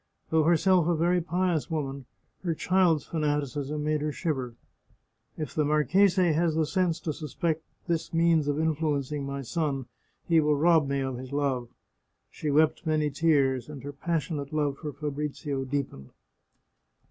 Though herself a very pious woman, her child's fanaticism made her shiver. " If the marchese has the sense to suspect this means of influencing my son, he will rob me of his love !" She wept many tears, and her passionate love for Fabrizio deepened.